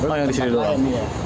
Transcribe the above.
apa yang di sini doang